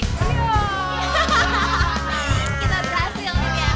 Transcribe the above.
kita berhasil ya